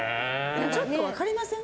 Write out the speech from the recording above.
ちょっと分かりません？